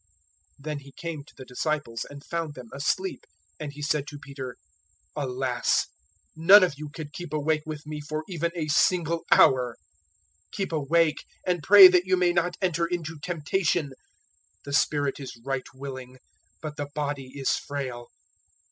026:040 Then He came to the disciples and found them asleep, and He said to Peter, "Alas, none of you could keep awake with me for even a single hour! 026:041 Keep awake, and pray that you may not enter into temptation: the spirit is right willing, but the body is frail."